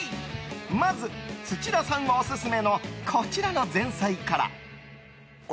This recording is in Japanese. まず、土田さんオススメのこちらの前菜から。